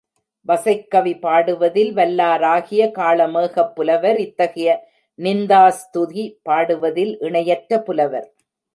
வசைக்கவி பாடுவதில் வல்லா ராகிய காளமேகப்புலவர் இத்தகைய நிந்தாஸ்துகி பாடுவதில் இணையற்ற புலவர்.